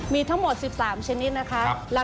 มีทั้งหมด๑๓ชนิดนะคะ